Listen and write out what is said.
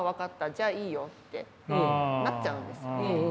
じゃあいいよ」ってなっちゃうんですよね。